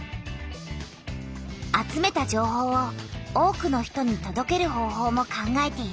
集めた情報を多くの人にとどける方ほうも考えている。